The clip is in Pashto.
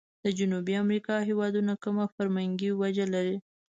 د جنوبي امريکا هیوادونو کومه فرمنګي وجه لري؟